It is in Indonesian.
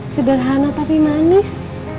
sederhana tapi manis